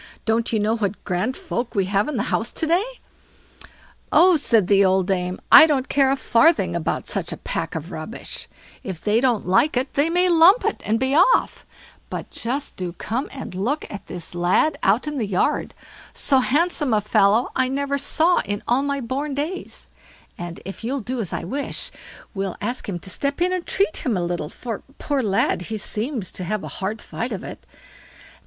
Don't you know what grand folk we have in the house to day?" "Oh!" said his old dame, "I don't care a farthing about such a pack of rubbish; if they don't like it they may lump it, and be off; but just do come and look at this lad out in the yard; so handsome a fellow I never saw in all my born days; and, if you'll do as I wish, we'll ask him to step in and treat him a little, for, poor lad, he seems to have a hard fight of it."